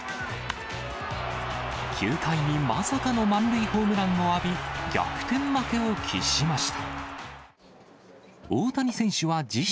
９回にまさかの満塁ホームランを浴び、逆転負けを喫しました。